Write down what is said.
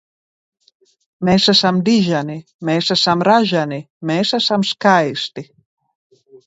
Mēs esam diženi! Mēs esam raženi! Mēs esam skaisti!